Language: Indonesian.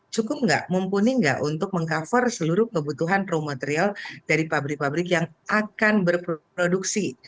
cukup nggak mumpuni nggak untuk meng cover seluruh kebutuhan raw material dari pabrik pabrik yang akan berproduksi